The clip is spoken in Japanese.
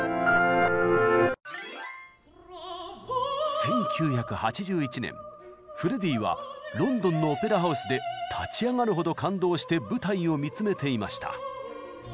１９８１年フレディはロンドンのオペラ・ハウスで立ち上がるほど感動して舞台を見つめていました。